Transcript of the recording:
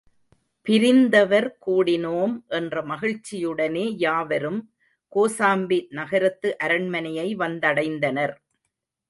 பிரிந்தவர் கூடினோம் என்ற மகிழ்ச்சியுடனே யாவரும் கோசாம்பி நகரத்து அரண்மனையை வந்தடைந்தனர்.